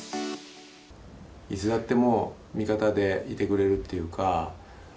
いつだってもう、味方でいてくれるっていうか。